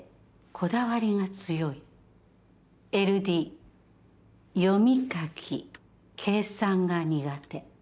「こだわりが強い」「ＬＤ」「読み書き・計算が苦手」